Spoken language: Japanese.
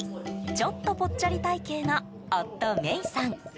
ちょっとぽっちゃり体形の夫メイさん。